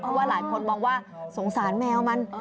เพราะว่าหลายคนมองว่าสงสารแมวมัน